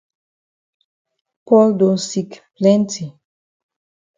Paul don sick plenti.